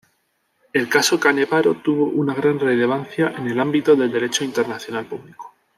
El Caso Canevaro tuvo una gran relevancia en el ámbito del Derecho internacional público.